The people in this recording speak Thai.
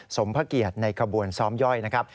สมพระเกียรติในขบวนซ้อมย่อยนะครับ